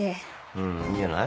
うんいいんじゃない？